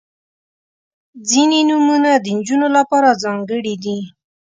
• ځینې نومونه د نجونو لپاره ځانګړي دي.